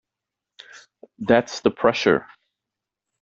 That's the pressure.